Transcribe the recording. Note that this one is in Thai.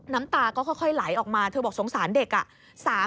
น้ำตาก็ค่อยไหลออกมาเธอบอกสงสารเด็กอ่ะ